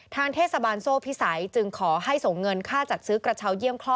ทางเทศบาลโซ่พิสัยจึงขอให้ส่งเงินค่าจัดซื้อกระเช้าเยี่ยมคลอด